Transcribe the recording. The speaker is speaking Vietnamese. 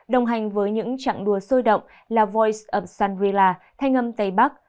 đồng hành với những trạng đua sôi động là voice of sunrilla thanh âm tây bắc